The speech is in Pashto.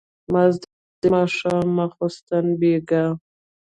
مازيګر ماښام ماسخوتن بېګا